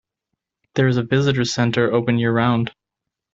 There is a visitor center open year-round.